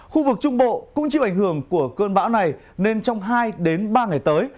khu vực trung bộ cũng chịu ảnh hưởng của cơn bão này nên trong hai ba ngày tới